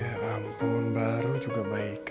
ya ampun baru juga baik